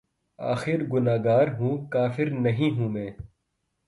آخر گناہگار ہوں‘ کافر نہیں ہوں میں